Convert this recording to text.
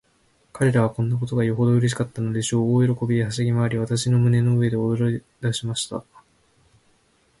彼等はこんなことがよほどうれしかったのでしょう。大喜びで、はしゃぎまわり、私の胸の上で踊りだしました。